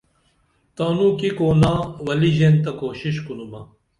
تانوں کی کونا ولی ژین تہ کوشش کُنُمہ